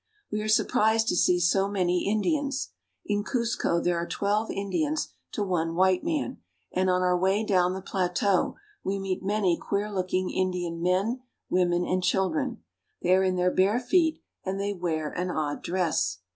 We are surprised to see so many Indians. In Cuzco there are twelve Indians to one white man, and on our way down the plateau we meet many queer looking Indian men, women, and children. They are in their bare feet, and they wear an odd dress.